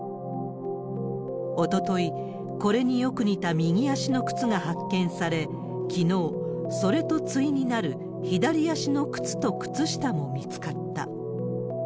おととい、これによく似た右足の靴が発見され、きのう、それと対になる左足の靴と靴下も見つかった。